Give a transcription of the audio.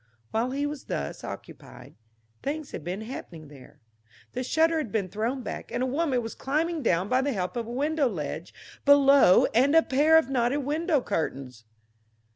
While he was thus occupied, things had been happening there. The shutter had been thrown back and a woman was climbing down by the help of a window ledge below and a pair of knotted window curtains.